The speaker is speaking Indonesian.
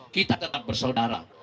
kita tetap bersaudara